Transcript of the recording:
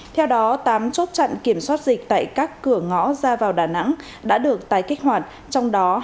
theo đó tám chốt chặn kiểm soát dịch tại các cửa ngõ ra vào đà nẵng đã được tái kích hoạt trong đó